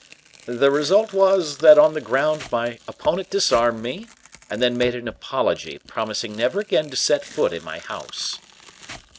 "The result was, that on the ground my opponent disarmed me, and then made an apology, promising never again to set foot in my house."